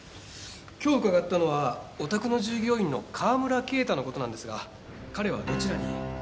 今日伺ったのはお宅の従業員の川村啓太の事なんですが彼はどちらに？